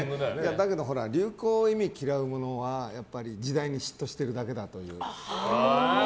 だけど流行を忌み嫌うものは時代に嫉妬してるだけだという。